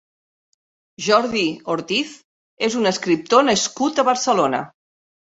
Jordi Ortiz és un escriptor nascut a Barcelona.